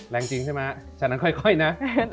แรงจริงใช่ไหมฉะนั้นค่อยนะ